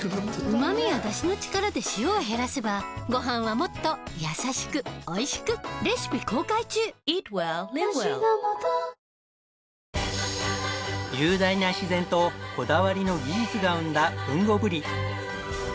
うま味やだしの力で塩を減らせばごはんはもっとやさしくおいしく雄大な自然とこだわりの技術が生んだ豊後ぶり。